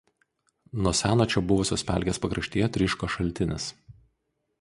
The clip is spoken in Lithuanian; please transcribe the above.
Nuo seno čia buvusios pelkės pakraštyje tryško šaltinis.